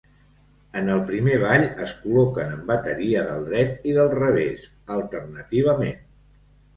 En el primer ball es col·loquen en bateria del dret i del revés, alternativament.